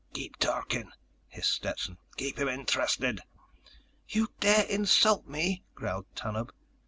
"Keep talking," hissed Stetson. "Keep him interested." "You dare insult me!" growled Tanub.